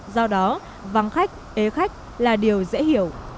do đó vắng khách ế khách là điều dễ hiểu